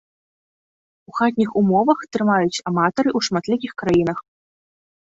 У хатніх умовах трымаюць аматары ў шматлікіх краінах.